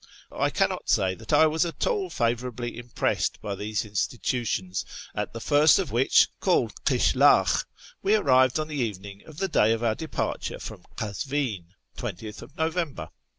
I cannot say that I was at all favourably impressed by these institutions, at the first of which, called Kishlakh, we arrived on the evening of the day of our departure from Kazvi'n (20th November).